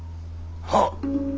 はっ。